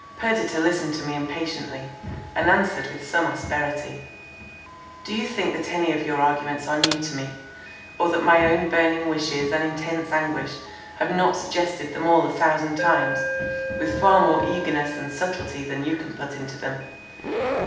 Perdita listened to me impatiently, and answered with some asperity:—"Do you think that any of your arguments are new to me? or that my own burning wishes and intense anguish have not suggested them all a thousand times, with far more eagerness and subtlety than you can put into them?